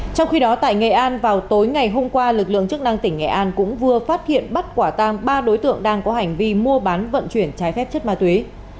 trong khi đó tại nghệ an vào tối ngày hôm qua lực lượng chức năng tỉnh nghệ an cũng vừa phát hiện bắt quả tang ba đối tượng đang có hành vi mua bán vận chuyển trái phép chất ma túy